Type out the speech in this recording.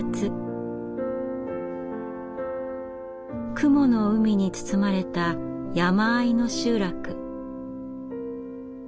雲の海に包まれた山あいの集落。